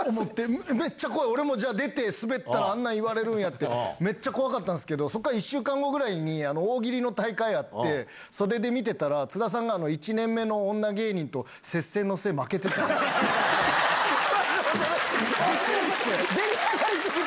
めっちゃ怖い、俺もじゃあ、出て滑ったら、あんなん言われるんやって、めっちゃ怖かったんですけど、そこから１週間後くらいに大喜利の大会あって、袖で見てたら、津田さんが１年目の女芸人と接戦の末、負けてたんです。